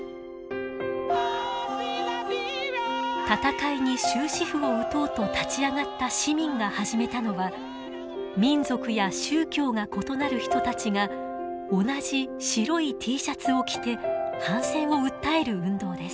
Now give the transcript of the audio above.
戦いに終止符を打とうと立ち上がった市民が始めたのは民族や宗教が異なる人たちが同じ白いＴシャツを着て反戦を訴える運動です。